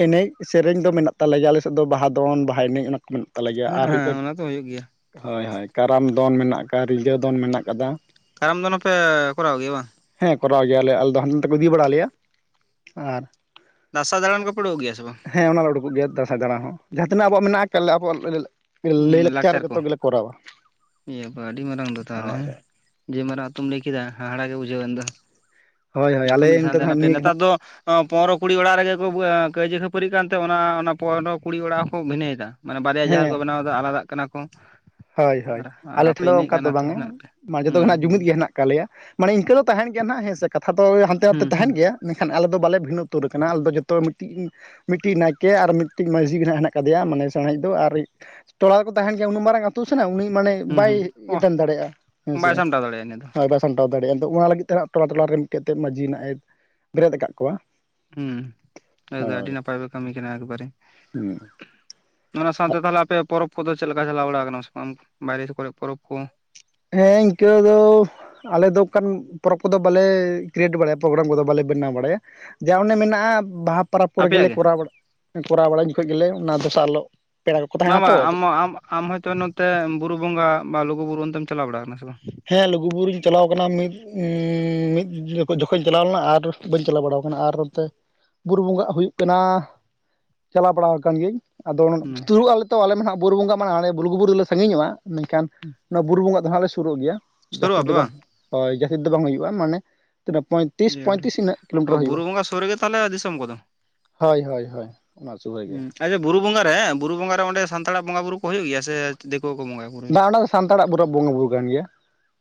ᱮᱱᱮᱡ ᱥᱮᱨᱮᱧ ᱫᱚ ᱢᱮᱱᱟᱜ ᱛᱟᱞᱮ ᱜᱮᱭᱟ ᱟᱞᱮᱥᱮᱫ ᱫᱚ ᱵᱟᱦᱟ ᱫᱚᱱ, ᱵᱟᱦᱟ ᱮᱱᱮᱡ, ᱚᱱᱟᱠᱚ ᱢᱮᱱᱟᱜ ᱛᱟᱞᱮ ᱜᱮᱭᱟ ᱦᱮᱸ ᱟᱨ ᱦᱮᱸ [unintelligible] ᱚᱱᱟ ᱛᱚ ᱦᱩᱭᱩᱜ ᱜᱮᱭᱟ [inaudible] ᱦᱳᱭ ᱦᱳᱭ ᱠᱟᱨᱟᱢ ᱫᱚᱱ ᱢᱮᱱᱟᱜ ᱠᱟᱫᱟ ᱨᱤᱡᱷᱟᱹ ᱫᱚᱱ ᱢᱮᱱᱟᱜ ᱠᱟᱫᱟ ᱾ ᱠᱟᱨᱟᱢ ᱫᱚᱱ ᱦᱚᱸ ᱯᱮ ᱠᱚᱨᱟᱣ ᱜᱮᱭᱟ ᱵᱟᱝ? ᱦᱮᱸ ᱠᱚᱨᱟᱣ ᱜᱮᱭᱟᱞᱮ ᱟᱞᱮ ᱫᱚ ᱦᱟᱱᱛᱮ ᱠᱚ ᱤᱫᱤ ᱵᱟᱲ ᱞᱮᱭᱟ ᱾ [inaudible] ᱟᱨ ᱫᱟᱥᱟᱸᱭ ᱫᱟᱬᱟᱱ ᱠᱚᱯᱮ ᱩᱰᱩᱠᱚᱜ ᱜᱮᱭᱟ ᱥᱮ ᱵᱟᱝ? ᱦᱮᱸ ᱚᱱᱟᱞᱮ ᱩᱰᱩᱠᱚᱜ ᱜᱮᱭᱟ, ᱫᱟᱸᱥᱟᱭ ᱫᱟᱬᱟᱱ ᱦᱚᱸ ᱾ ᱡᱟᱦᱟᱸ ᱛᱤᱱᱟᱹᱜ ᱟᱵᱚᱣᱟᱜ ᱢᱮᱱᱟᱜ ᱟᱠᱟᱫ ᱟᱵᱚᱣᱟᱜ ᱞᱟᱹ ᱞᱟᱹ ᱦᱩᱸ ᱞᱟᱠᱪᱟᱨ ᱞᱟᱹᱭᱼᱞᱟᱠᱪᱟᱨ ᱠᱚ ᱡᱚᱛᱚ ᱜᱮᱞᱮ ᱠᱚᱨᱟᱣᱟ ᱾ ᱤᱭᱟᱹ ᱰᱟ ᱟᱹᱰᱤ ᱢᱟᱨᱟᱝ ᱫᱚ ᱛᱟᱦᱚᱞᱮ ᱦᱮᱸ ᱡᱮ ᱢᱟᱨᱟᱝ ᱟᱹᱛᱩᱢ ᱞᱟᱹᱭ ᱠᱮᱫᱟ, ᱦᱟᱦᱟᱲᱟᱜ ᱜᱮ ᱵᱩᱡᱷᱟᱹᱣ ᱮᱱ ᱫᱚ ᱦᱳᱭ ᱾ ᱦᱳᱭ ᱡᱷᱚᱛᱚ ᱟᱞᱮ ᱢᱤᱫ ᱥᱟᱶᱛᱮ ᱱᱤᱛᱚᱜ ᱫᱚ ᱦᱟᱸᱜ ᱦᱮᱱᱟᱜ ᱯᱮᱭᱟ ᱱᱤᱭᱟᱹ ᱜᱮ ᱱᱮᱛᱟᱨ ᱦᱟᱸᱜ ᱫᱚ ᱚᱸ ᱯᱚᱱᱨᱚ ᱠᱩᱲᱤ ᱚᱲᱟᱜ ᱨᱮᱜᱮ ᱠᱚ ᱠᱟᱹᱭᱡᱟᱹ ᱠᱷᱟᱹᱯᱟᱹᱨᱤᱜ ᱠᱟᱱᱛᱮ ᱚᱱᱟ ᱯᱚᱱᱨᱚ ᱠᱩᱲᱤ ᱚᱲᱟᱜ ᱦᱚᱸᱠᱚ ᱵᱷᱤᱱᱟᱹᱭᱮᱫᱟ ᱾ ᱢᱟᱱᱮ ᱵᱟᱨᱭᱟ ᱡᱟᱦᱮᱨ ᱦᱮᱸ ᱠᱚ ᱵᱮᱱᱟᱣ ᱮᱫᱟ ᱟᱞᱟᱫᱟᱜ ᱠᱟᱱᱟ ᱠᱚ ᱾ ᱦᱳᱭ ᱦᱳᱭ ᱟᱞᱮ ᱴᱷᱮᱱ ᱫᱚ ᱚᱱᱠᱟ ᱫᱚ ᱟᱹᱛᱩ ᱵᱟᱝᱟ ᱦᱮᱱᱟᱜ ᱯᱮ ᱢᱟ ᱡᱷᱚᱛᱚ ᱜᱮ ᱱᱟᱦᱟᱜ ᱦᱩᱸ ᱡᱩᱢᱤᱫ ᱜᱮ ᱦᱮᱱᱟᱜ ᱟᱠᱟᱜ ᱞᱮᱭᱟ, ᱢᱟᱱᱮ ᱤᱱᱠᱟᱹ ᱫᱚ ᱛᱟᱦᱮᱱ ᱜᱮᱭᱟ ᱱᱟᱦᱟᱜ ᱦᱮᱸ ᱥᱮ ᱠᱟᱛᱷᱟ ᱫᱚ ᱦᱟᱱᱛᱮ ᱦᱩᱸ ᱱᱟᱛᱮ ᱛᱟᱦᱮᱱ ᱜᱮᱭᱟ ᱾ ᱢᱮᱱᱠᱷᱟᱱ ᱟᱞᱮᱫᱚ ᱵᱟᱞᱮ ᱵᱷᱤᱱᱟᱹ ᱩᱛᱟᱹᱨ ᱟᱠᱟᱱᱟ ᱟᱞᱮ ᱫᱚ ᱡᱷᱚᱛᱚ ᱢᱤᱫᱴᱤᱡ ᱢᱤᱫᱴᱤᱡ ᱱᱟᱭᱠᱮ ᱟᱨ ᱢᱤᱫᱴᱤᱡ ᱢᱟᱺᱡᱷᱤ ᱜᱮ ᱦᱟᱸᱜ ᱦᱮᱱᱟᱜ ᱠᱟᱫᱮᱭᱟ ᱢᱟᱱᱮ ᱥᱮᱬᱟᱭᱤᱡ ᱫᱚ ᱾ ᱟᱨ ᱴᱚᱞᱟ ᱨᱮᱠᱚ ᱛᱟᱦᱮᱱ ᱜᱮᱭᱟ ᱩᱱᱟᱹᱜ ᱢᱟᱨᱟᱝ ᱟᱹᱛᱩ ᱥᱮ ᱱᱟᱦᱟᱜ ᱩᱱᱤ ᱢᱟᱱᱮ ᱦᱩᱸ ᱵᱟᱭ ᱦᱩᱸ ᱚᱦ ᱮᱴᱮᱱ ᱫᱟᱲᱮᱭᱟᱜᱼᱟ ᱦᱮᱸᱥᱮ? ᱵᱟᱭ ᱥᱟᱢᱴᱟᱣ ᱫᱟᱲᱮᱭᱟᱜᱼᱟ ᱤᱱᱟᱹ ᱫᱚ ᱦᱳᱭ ᱵᱟᱥ ᱥᱟᱢᱴᱟᱣ ᱫᱟᱲᱮᱭᱟᱜ-ᱟ ᱟᱫᱚ ᱚᱱᱟ ᱞᱟᱹᱜᱤᱫ ᱛᱮ ᱦᱟᱸᱜ ᱴᱚᱞᱟ ᱴᱚᱞᱟᱨᱮ ᱢᱤᱫᱴᱮᱡ ᱢᱟᱺᱡᱤᱭ ᱱᱟᱦᱟᱜ ᱮ ᱵᱮᱨᱮᱫ ᱟᱠᱟᱫ ᱠᱚᱣᱟ ᱾ ᱦᱩᱸ ᱟᱫᱚ ᱟᱹᱰᱤ ᱱᱟᱯᱟᱭ ᱯᱮ ᱠᱟᱹᱢᱤ ᱠᱟᱱᱟ ᱮᱠᱵᱟᱨᱮ ᱾ [inaudible] ᱦᱩᱸ ᱚᱱᱟ ᱥᱟᱶᱛᱮ ᱛᱟᱦᱟᱞᱮ ᱟᱯᱮᱭᱟᱜ ᱯᱚᱨᱚᱵᱽ ᱠᱚᱫᱚ ᱪᱮᱫ ᱞᱮᱠᱟ ᱪᱟᱞᱟᱣ ᱵᱟᱲᱟ ᱟᱠᱟᱱᱟ ᱥᱮ ᱵᱟᱝ ᱵᱟᱭᱨᱮ ᱠᱚᱨᱮ ᱯᱚᱨᱚᱵᱽ ᱠᱚ? ᱦᱮᱸ ᱤᱱᱠᱟᱹ ᱫᱚ ᱟᱞᱮ ᱫᱚ ᱚᱱᱠᱟᱱ ᱯᱚᱨᱚᱵᱽ ᱠᱚᱫᱚ ᱵᱟᱞᱮ ᱠᱨᱤᱭᱮᱴ ᱵᱟᱲᱟᱭᱟ ᱯᱨᱳᱜᱨᱟᱢ ᱠᱚᱫᱚ ᱵᱟᱞᱮ ᱵᱮᱱᱟᱣ ᱵᱟᱲᱟᱭᱟ ᱾ ᱡᱟ ᱚᱱᱮ ᱢᱮᱱᱟᱜ-ᱟ ᱵᱟᱦᱟ ᱯᱚᱨᱚᱵᱽ ᱠᱚᱨᱮ ᱟᱯᱮᱭᱟᱜ ᱜᱮᱞᱮ ᱜᱮ ᱠᱚᱨᱟᱣ ᱠᱚᱨᱟᱣ ᱵᱟᱲᱟᱭ ᱡᱚᱠᱷᱚᱱ ᱜᱮᱞᱮ ᱚᱱᱟ ᱫᱚᱥᱟᱨ ᱦᱤᱞᱳᱜ ᱾ ᱵᱟᱝ ᱵᱟ ᱟᱢ ᱟᱢᱟ ᱟᱢ ᱦᱚᱭᱛᱳ ᱱᱚᱛᱮ ᱵᱩᱨᱩ ᱵᱚᱸᱜᱟ ᱵᱟ ᱞᱩᱜᱩ ᱵᱩᱨᱩ ᱚᱱᱛᱮᱢ ᱪᱟᱞᱟᱣ ᱵᱟᱲᱟ ᱟᱠᱟᱱᱟ ᱥᱮ ᱵᱟᱝ ᱦᱮᱸ ᱞᱩᱜᱩ ᱵᱩᱨᱩᱧ ᱪᱟᱞᱟᱣ ᱟᱠᱟᱱᱟ ᱢᱤᱫ ᱩᱸᱻ ᱢᱤᱫ ᱡᱚᱠᱷᱚᱡ ᱡᱚᱠᱷᱮᱡ ᱤᱧ ᱪᱟᱞᱟᱣ ᱞᱮᱱᱟ ᱟᱨ ᱵᱟᱹᱧ ᱪᱟᱞᱟᱣ ᱵᱟᱲᱟ ᱟᱠᱟᱱᱟ ᱟᱨ ᱚᱱᱛᱮ ᱵᱩᱨᱩ ᱵᱚᱸᱜᱟᱜ ᱦᱩᱭᱩᱜ ᱠᱟᱱᱟ [inaudible] ᱪᱟᱞᱟᱣ ᱵᱟᱲᱟ ᱟᱠᱟᱱ ᱜᱤᱭᱟᱹᱧ ᱾ ᱟᱫᱚ ᱦᱩᱸ ᱥᱩᱨᱩᱜ ᱟᱞᱮ ᱛᱚ ᱦᱟᱸᱜ ᱵᱩᱨᱩ ᱵᱚᱸᱜᱟ [unintelligible] ᱞᱩᱜᱩᱵᱩᱨᱩ ᱨᱮᱞᱮ ᱥᱟᱺᱜᱤᱧᱚᱜ-ᱟ ᱢᱮᱱᱠᱷᱟᱱ ᱚᱱᱟ ᱵᱩᱨᱩ ᱵᱚᱸᱜᱟ ᱦᱟᱜ ᱞᱮ ᱥᱩᱨᱩᱜ ᱜᱮᱭᱟ ᱥᱩᱨᱩᱜ ᱡᱟᱹᱥᱛᱤ ᱟᱯᱮ ᱫᱚ ᱵᱟᱝ ᱦᱚᱭ ᱡᱟᱹᱥᱛᱤ ᱫᱚ ᱵᱟᱝ ᱦᱩᱭᱩᱜ-ᱟ ᱢᱟᱱᱮ ᱛᱤᱱᱟᱹᱜ ᱯᱚᱭ [unintelligible] ᱚ ᱵᱩᱨᱩ ᱵᱚᱸᱜᱟ ᱥᱩᱨ ᱨᱮᱜᱮ ᱛᱟᱦᱚᱞᱮ ᱫᱤᱥᱚᱢ ᱠᱚᱫᱚ? ᱦᱳᱭ ᱦᱳᱭ ᱦᱳᱭ ᱚᱱᱟ ᱥᱩᱨ ᱨᱮᱜᱮ ᱦᱩᱸ ᱾ ᱟᱪᱪᱷᱟ ᱵᱩᱨᱩ ᱵᱚᱸᱜᱟ ᱨᱮ ᱵᱩᱨᱩ ᱵᱚᱸᱜᱟ ᱨᱮ ᱚᱸᱵᱮ ᱥᱟᱱᱛᱟᱲᱟᱜ ᱵᱚᱸᱜᱟ ᱵᱩᱨᱩ ᱦᱩᱭᱩᱜ ᱜᱮᱭᱟ ᱥᱮ ᱫᱤᱠᱩ ᱠᱚ ᱵᱚᱸᱜᱟᱭᱟ? ᱵᱟᱝ ᱚᱱᱟ ᱫᱚ ᱥᱟᱱᱛᱟᱲᱟᱜ [unintelligible] ᱵᱚᱸᱜᱟ ᱵᱩᱨᱩ ᱠᱟᱱ ᱜᱮᱭᱟ ᱾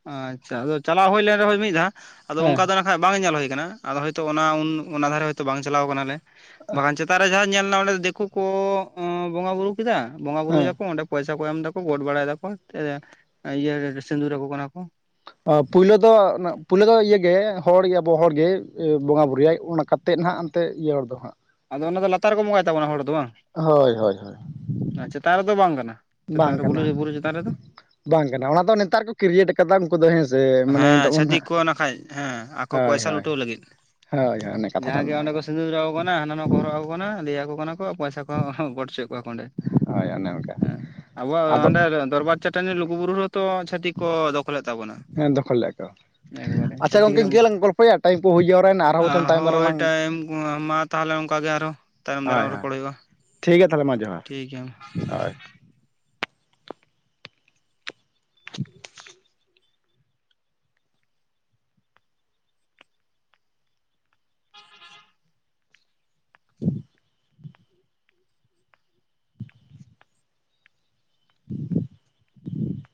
ᱟᱪᱪᱷᱟ ᱟᱫᱚ ᱪᱟᱞᱟᱣ ᱦᱩᱭ ᱞᱮᱱ ᱨᱮᱦᱚᱸ ᱢᱤᱫ ᱫᱷᱟᱣ ᱟᱫᱚ ᱦᱮᱸ ᱚᱱᱠᱟ ᱫᱚ ᱱᱟᱦᱟᱜ ᱵᱟᱝ ᱧᱮᱞ ᱦᱩᱭ ᱠᱟᱱᱟ ᱟᱫᱚ ᱦᱚᱭᱛᱚ ᱚᱱᱟ ᱩᱱ ᱚᱱᱟ ᱫᱷᱟᱨᱮ ᱵᱟᱝ ᱪᱟᱞᱟᱣ ᱠᱟᱱᱟᱞᱮ ᱵᱟᱝᱠᱷᱟᱱ ᱪᱮᱛᱟᱱ ᱨᱮ ᱡᱟᱦᱟᱸ ᱧᱮᱞ ᱚᱸᱰᱮ ᱫᱤᱠᱩ ᱠᱚ ᱵᱚᱸᱜᱟ ᱵᱩᱨᱩ ᱠᱮᱫᱟ ᱵᱚᱸᱜᱟ ᱵᱩᱨᱩᱭ ᱦᱮᱸ ᱫᱟᱠᱩ ᱚᱸᱰᱮ ᱯᱚᱭᱥᱟ ᱠᱚ ᱮᱢ ᱫᱟᱠᱚ ᱜᱚᱴ ᱵᱟᱲᱟᱭ ᱫᱟᱠᱚ ᱤᱭᱟᱹ ᱥᱤᱸᱫᱩᱨ ᱟᱠᱚ ᱠᱟᱱᱟ ᱠᱚ ᱾ ᱟᱹ ᱯᱳᱭᱞᱳ ᱫᱚ ᱯᱳᱭᱞᱳ ᱫᱚ ᱤᱭᱮ ᱜᱮ ᱦᱚᱲ ᱜᱮ ᱟᱵᱚ ᱦᱚᱲᱜᱮ ᱵᱚᱸᱜᱟ ᱵᱩᱨᱩ ᱭᱟᱭ ᱚᱱᱟ ᱠᱟᱛ ᱛᱮᱫ ᱱᱟᱦᱟᱜ ᱮᱱᱛᱮ ᱤᱭᱟᱹ ᱦᱚᱲ ᱫᱚ ᱦᱟᱸᱜ ᱟᱫᱚ ᱚᱱᱟ ᱫᱚ ᱞᱟᱛᱟᱨ ᱨᱮᱠᱚ ᱵᱚᱸᱜᱟᱭ ᱛᱟᱵᱚᱱᱟ ᱦᱚᱲ ᱫᱚ ᱵᱟᱝ? ᱦᱳᱭ ᱦᱳᱭ ᱦᱳᱭ ᱾ ᱟᱪᱷᱟ ᱪᱮᱛᱟᱱ ᱨᱮᱫᱚ ᱵᱟᱝ ᱠᱟᱱᱟ? ᱪᱮᱛᱟᱱ ᱵᱟᱝ ᱨᱮ ᱵᱩᱨᱩ ᱠᱟᱱᱟ ᱵᱩᱨᱩ ᱪᱮᱛᱟᱱ ᱨᱮᱫᱚ ᱵᱟᱝ ᱠᱟᱱᱟ ᱚᱱᱟ ᱫᱚ ᱱᱮᱛᱟᱨ ᱠᱚ ᱠᱨᱤᱭᱮᱴ ᱠᱟ ᱠᱟᱫᱟ ᱩᱱᱠᱩᱫᱚ ᱦᱮᱸᱥᱮ ᱢᱟᱱᱮ ᱦᱮᱸ ᱱᱤᱛᱚᱜ ᱪᱷᱟᱹᱛᱤᱠ ᱢᱟᱱᱟᱜ ᱠᱚ ᱱᱟᱠᱷᱟᱡ ᱦᱮᱸ ᱟᱠᱚ ᱦᱳᱭ ᱯᱚᱭᱥᱟ ᱦᱳᱭ ᱞᱩᱴᱟᱹᱣ ᱞᱟᱹᱜᱤᱫ ᱦᱳᱭ ᱦᱳᱭ ᱚᱱᱮ ᱠᱟᱛᱷᱟ ᱫᱚ ᱚᱱᱱᱟ ᱠᱟᱱᱟ ᱾ ᱚᱱᱟ ᱦᱟᱱᱟ ᱱᱚᱣᱟ ᱠᱚ ᱦᱚᱨᱚᱜ ᱟᱠᱚ ᱠᱟᱱᱟ ᱞᱟᱹᱭᱟᱠᱚ ᱠᱟᱱᱟ ᱠᱚ ᱯᱚᱭᱥᱟ ᱠᱚᱦᱚ ᱜᱚᱰ ᱚᱪᱚᱭᱮᱫ ᱠᱚᱣᱟ ᱚᱸᱰᱮ ᱦᱳᱭ ᱚᱱᱮ ᱚᱱᱠᱟ ᱮᱸ ᱟᱵᱚᱣᱟᱜ ᱟᱫᱚ ᱚᱸᱰᱮ ᱫᱚᱨᱵᱟᱨ ᱪᱟᱹᱴᱟᱹᱱᱤ ᱞᱚᱜᱩ ᱵᱩᱨᱩ ᱨᱮᱦᱚᱸ ᱛᱚ ᱪᱷᱟᱹᱛᱤᱠ ᱠᱚ ᱫᱚᱠᱷᱚᱞᱮᱫ ᱛᱟᱵᱚᱱᱟ ᱾ ᱦᱮᱸ ᱫᱚᱠᱷᱚᱞ ᱞᱮᱫ ᱠᱚ ᱾ ᱟᱪᱪᱷᱟ ᱜᱚᱢᱠᱮ ᱨᱮ ᱤᱱᱠᱟᱹ ᱞᱟᱝ ᱜᱚᱞᱯᱷᱚᱭᱟ ᱴᱟᱭᱤᱢ ᱠᱩ ᱦᱩᱭ ᱡᱟᱣᱨᱟᱭᱱᱟ ᱟᱨᱦᱚᱸ ᱵᱚᱪᱚᱝ ᱛᱟᱭᱚᱢ ᱫᱟᱨᱟᱢ ᱦᱳᱭ ᱞᱟᱝ ᱴᱟᱭᱤᱢ ᱢᱟ ᱛᱟᱦᱚᱞᱮ ᱚᱱᱠᱟ ᱜᱮ ᱟᱨᱦᱚ ᱛᱟᱭᱚᱢ ᱦᱳᱭ ᱫᱟᱨᱟᱢ ᱦᱳᱭ ᱨᱚᱯᱚᱲ ᱦᱩᱭᱩᱜᱼᱟ ᱾ ᱴᱷᱤᱠ ᱜᱮᱭᱟ ᱛᱟᱦᱚᱞᱮ ᱢᱟ ᱡᱚᱦᱟᱨ, ᱦᱚᱭ ᱾ [inaudible] [inaudible] [inaudible]